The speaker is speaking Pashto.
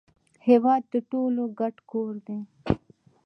هیواد د ټولو ګډ کور دی